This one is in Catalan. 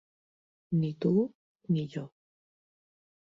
Ni tu ni jo.